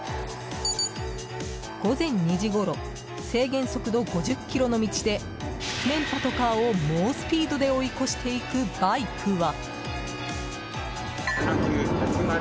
午前２時ごろ制限速度５０キロの道で覆面パトカーを、猛スピードで追い越していくバイクは。